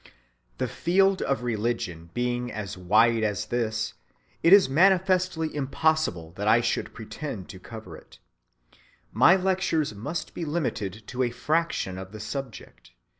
‐‐‐‐‐‐‐‐‐‐‐‐‐‐‐‐‐‐‐‐‐‐‐‐‐‐‐‐‐‐‐‐‐‐‐‐‐ The field of religion being as wide as this, it is manifestly impossible that I should pretend to cover it. My lectures must be limited to a fraction of the subject.